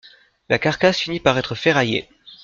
La carcasse finit par être ferraillée.